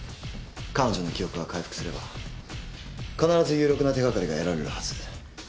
彼女の記憶が回復すれば必ず有力な手掛かりが得られるはず。